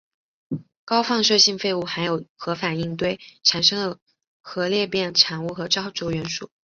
高放射性废物含有核反应堆产生的核裂变产物和超铀元素。